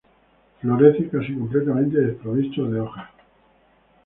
Florece casi completamente desprovisto de hojas.